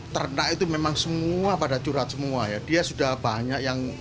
ternak itu memang semua pada curhat semua ya dia sudah banyak yang